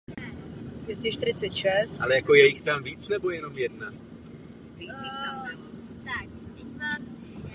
Neexistuje žádná konkrétní legislativa zabývající se diskriminací jiných sexuálních orientací nebo genderových identit.